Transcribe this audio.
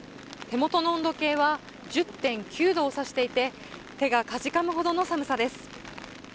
手元の温度計は１０．９度を指していて、手がかじかむほどの寒さです。